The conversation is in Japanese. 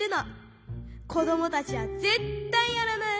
こどもたちはぜったいやらない。